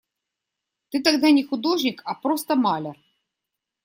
Ты тогда не художник, а просто маляр.